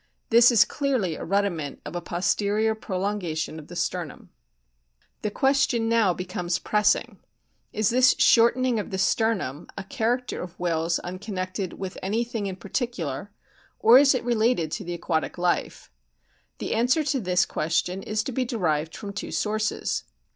This is clearly a rudiment of a posterior prolongation of the sternum. SOME INTERNAL STRUCTURES 47 The question now becomes pressing, Is this shortening of the sternum a character of whales o unconnected with anything in particular, or is it related to the aquatic life ? The answer to this question is to be derived from two sources.